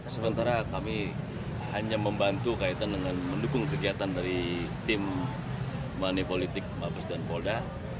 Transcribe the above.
sementara kami hanya membantu kaitan dengan mendukung kegiatan dari tim manipolitik mabes dan polda